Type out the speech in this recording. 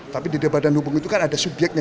tapi di badan hukum itu kan ada subyeknya